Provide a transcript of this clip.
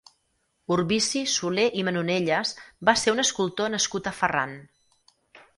Urbici Soler i Manonelles va ser un escultor nascut a Ferran.